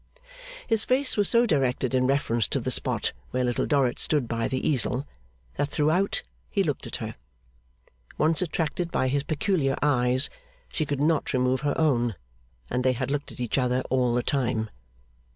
His face was so directed in reference to the spot where Little Dorrit stood by the easel, that throughout he looked at her. Once attracted by his peculiar eyes, she could not remove her own, and they had looked at each other all the time.